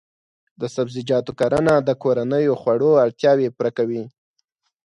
د سبزیجاتو کرنه د کورنیو خوړو اړتیاوې پوره کوي.